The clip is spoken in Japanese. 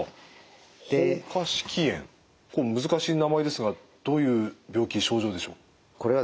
これ難しい名前ですがどういう病気症状でしょう？